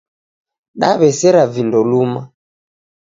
Daw'esera vindo luma